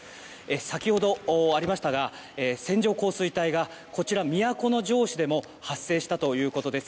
先ほどありましたが線状降水帯が都城市でも発生したということです。